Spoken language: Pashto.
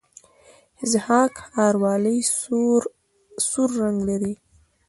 ضحاک ښار ولې سور رنګ لري؟